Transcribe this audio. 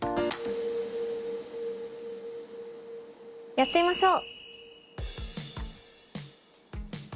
やってみましょう。